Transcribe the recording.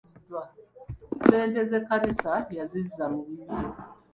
Ssente z'ekkanisa yazizza mu bibye.